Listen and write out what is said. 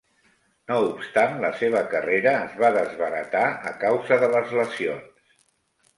No obstant, la seva carrera es va desbaratar a causa de les lesions.